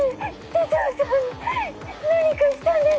哲雄さんに何かしたんですか？